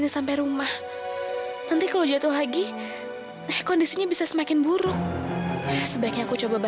sampai jumpa di video selanjutnya